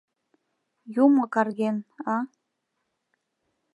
Юмо карген, а?